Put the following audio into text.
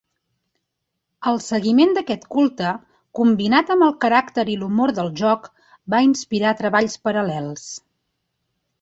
El seguiment d'aquest culte, combinat amb el caràcter i l'humor del joc, va inspirar treballs paral·lels.